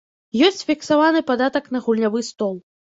Ёсць фіксаваны падатак на гульнявы стол.